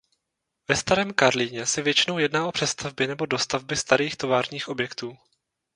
Ve starém Karlíně se většinou jedná o přestavby nebo dostavby starých továrních objektů.